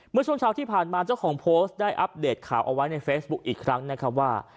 เมื่อช่วงเช้าที่ผ่านมาเจ้าของโพสต์ได้อัปเดตข่าวเอาไว้ในเฟซบุ๊คอีกครั้งนะครับว่า